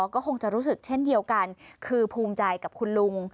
ก็คงจะรู้สึกเช่นเดียวกันคือภูมิใจกับคุณลุง